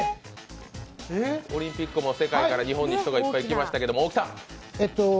オリンピックも世界から日本に人がいっぱい来ましたけど。